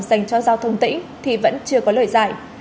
dành cho giao thông tỉnh thì vẫn chưa có lời giải